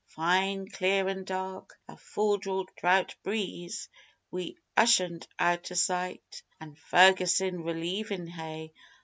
Fine, clear an' dark a full draught breeze, wi' Ushant out o' sight, An' Ferguson relievin' Hay.